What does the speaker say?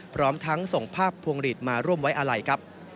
พร้อมทั้งส่งภาพภวงฤทธิ์มาร่วมไว้อะไหล่